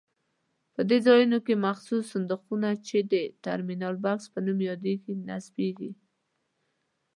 په دې ځایونو کې مخصوص صندوقونه چې د ټرمینل بکس په نوم یادېږي نصبېږي.